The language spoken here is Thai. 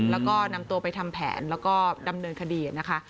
แล้วก็นำตัวไปทำแผนแล้วก็ดำเนินคดีนะคะ